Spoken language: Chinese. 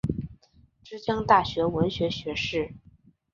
之江大学文学学士。